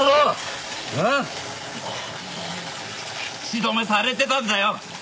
口止めされてたんだよ！